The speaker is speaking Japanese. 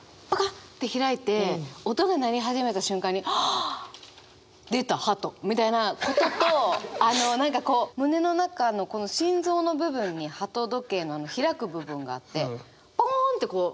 ッて開いて音が鳴り始めた瞬間に「あ出たハト」みたいなことと胸の中のこの心臓の部分に鳩時計の開く部分があってぽんってこう。